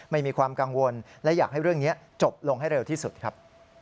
มีความกังวลและอยากให้เรื่องนี้จบลงให้เร็วที่สุดครับ